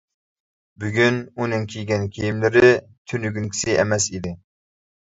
بۈگۈن ئۇنىڭ كىيگەن كىيىملىرى تۈنۈگۈنكىسى ئەمەس ئىدى.